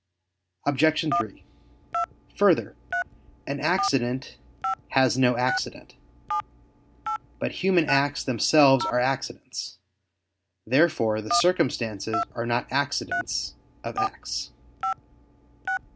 Obj. 3: Further, an accident has no accident. But human acts themselves are accidents. Therefore the circumstances are not accidents of acts.